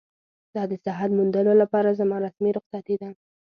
دا د صحت موندلو لپاره زما رسمي رخصتي ده.